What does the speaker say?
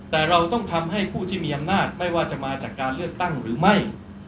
แต่เราต้องทำให้ผู้ที่มีอำนาจไม่ว่าจะมาจากการเลือกตั้งหรือไม่